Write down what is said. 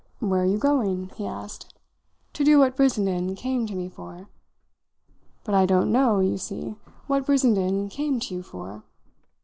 "Where are you going?" he asked. "To do what Brissenden came to me for." "But I don't know, you see, what Brissenden came to you for."